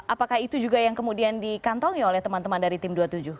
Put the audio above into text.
apakah itu juga yang kemudian dikantongi oleh teman teman dari tim dua puluh tujuh